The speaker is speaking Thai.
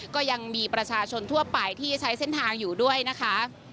ก็ยังมีประชาชนทั่วไปที่ใช้เส้นทางอยู่ด้วยนะคะ